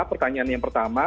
pertanyaan yang pertama